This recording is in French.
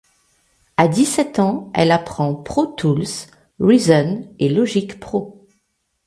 À dix-sept ans, elle apprend Pro Tools, Reason et Logic Pro.